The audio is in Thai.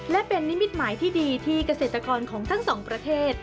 และเป็นนิมิตหมายที่ดีที่เกษตรกรของทั้งสองประเทศ